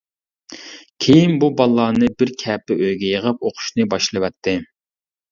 كېيىن بۇ بالىلارنى بىر كەپە ئۆيگە يىغىپ ئوقۇشنى باشلىۋەتتى.